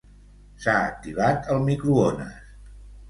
S'ha activat el microones.